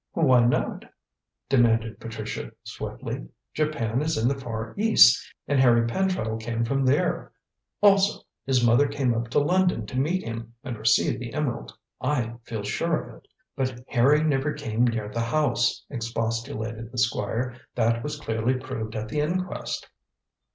"Why not?" demanded Patricia swiftly. "Japan is in the Far East, and Harry Pentreddle came from there. Also, his mother came up to London to meet him and receive the emerald. I feel sure of it." "But Harry never came near the house," expostulated the Squire. "That was clearly proved at the inquest."